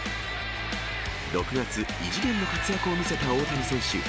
６月、異次元の活躍を見せた大谷選手。